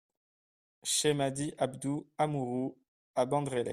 CHE MADI ABDOU HAMOURO à Bandrélé